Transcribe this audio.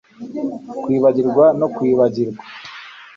Kwibagirwa no kwibagirwa